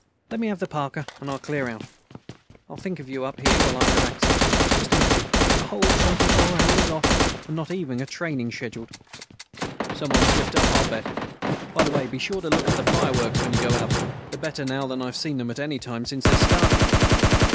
"Let me have the parka and I'll clear out. I'll think of you up here while I'm relaxing. Just imagine; a whole twenty four hours off, and not even any training scheduled." "Someone slipped up, I'll bet. By the way, be sure to look at the fireworks when you go out. They're better now than I've seen them at any time since they started."